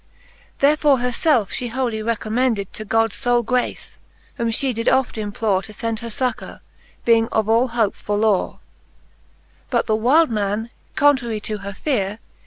Therefore her lelfe Ihe wholy recommended To God's fble grace, whom fhe did oft implore^ To fend her fuccour, being of all hops forlore. XL But the wyl'd man, contrarie to her feare